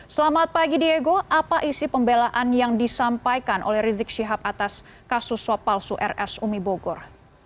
selamat pagi diego apa isi pembelaan yang disampaikan oleh rizik syihab atas kasus swab palsu rs umi bogor